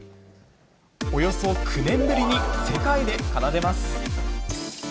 およそ９年ぶりに世界で奏でます。